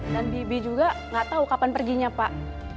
dan bibi juga nggak tahu kapan perginya pak